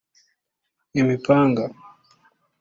imipanga